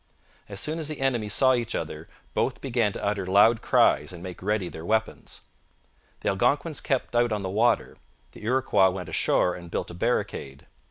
As soon as the enemies saw each other, both began to utter loud cries and make ready their weapons. The Algonquins kept out on the water; the Iroquois went ashore and built a barricade.